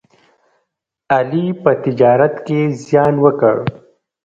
علي په تجارت کې زیان وکړ.